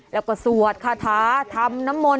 แล้วก็สวดคาถาทำน้ำมนต